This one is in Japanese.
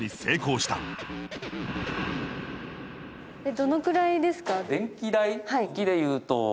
どのくらいですか？